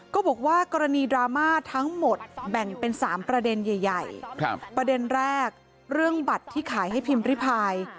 ก็บอกว่ากรณีดราม่าทั้งหมดแบ่งเป็น๓ประเด็นใหญ่ประเด็นแรกเรื่องบัตรที่ขายให้พิมพ์ริพาย